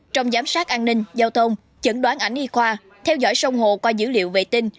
trong giám sát an ninh giao thông chẩn đoán ảnh y khoa theo dõi sông hồ qua dữ liệu vệ tinh